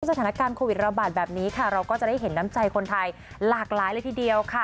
สถานการณ์โควิดระบาดแบบนี้ค่ะเราก็จะได้เห็นน้ำใจคนไทยหลากหลายเลยทีเดียวค่ะ